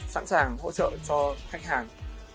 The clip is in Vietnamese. sẵn sàng hỗ trợ cho khách hàng